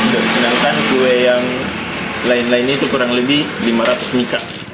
dan penanganan kue yang lain lainnya itu kurang lebih lima ratus mika